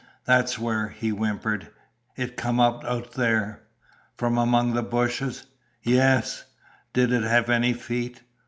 "That's where," he whimpered. "It comed up out there." "From among the bushes?" "Ye us." "Did it have any feet?"